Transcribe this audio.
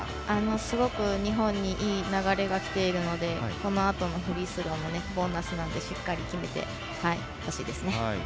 すごく日本にいい流れがきているのでこのあとフリースローのボーナスをしっかり決めてほしいです。